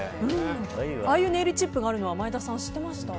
ああいうネイルチップがあるのは前田さん知ってました？